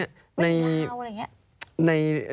เป็นเวลาอะไรอย่างนี้